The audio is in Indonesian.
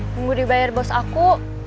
munggu dibayar bos aku